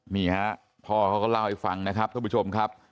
มีครับพ่อเขาก็เล่าอีกฝั่งนะครับท่านผู้ชมครับ